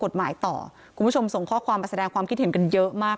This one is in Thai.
ต่อคุณผู้ชมส่งข้อความมาแสดงความคิดเห็นกันเยอะมาก